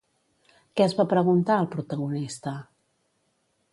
Què es va preguntar el protagonista?